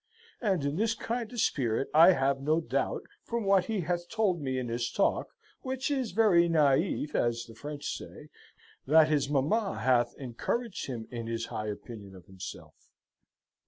And in this kind of spirit I have no doubt from what he hath told me in his talk (which is very naif, as the French say), that his mamma hath encouraged him in his high opinion of himself.